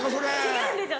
違うんですよ